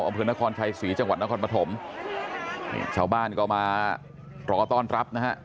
อำเภอนครชัยศรีจังหวัดนครปฐมชาวบ้านก็มารอต้อนรับนะฮะ